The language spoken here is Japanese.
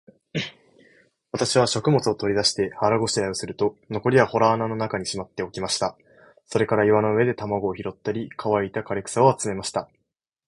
私は食物を取り出して、腹ごしらえをすると、残りは洞穴の中にしまっておきました。それから岩の上で卵を拾ったり、乾いた枯草を集めました。